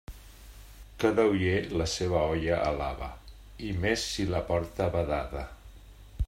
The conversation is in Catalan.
Cada oller, la seua olla alaba, i més si la porta badada.